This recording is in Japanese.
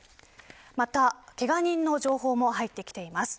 また、けが人の情報も入ってきています。